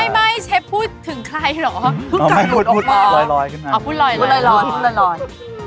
ไม่เชฟพูดถึงใครเหรอไม่พูดพูดรอยพูดรอย